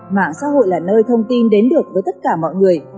mạng xã hội là nơi thông tin đến được với tất cả mọi người